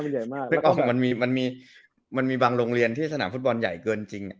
นึกออกมันมีบางโรงเรียนที่สนามฟุตบอลใหญ่เกินจริง